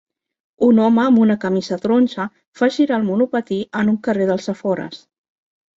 Un home amb una camisa taronja fa girar el monopatí en un carrer dels afores.